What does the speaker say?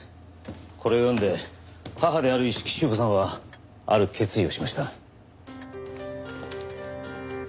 これを読んで母である一色朱子さんはある決意をしました。